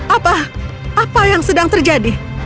apa apa yang sedang terjadi